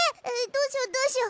どうしよどうしよ！